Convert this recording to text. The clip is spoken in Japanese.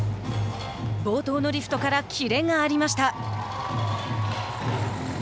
冒頭のリフトからキレがありました。